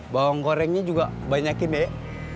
bawang gorengnya juga banyakin deh